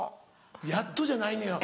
「やっと」じゃないのよ。